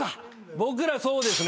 僕らそうですね